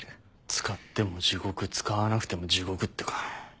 使っても地獄使わなくても地獄ってか。